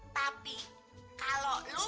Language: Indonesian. tapi kalau lo